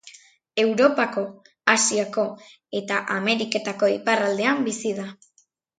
Europako, Asiako eta Ameriketako iparraldean bizi da.